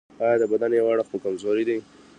ایا د بدن یو اړخ مو کمزوری دی؟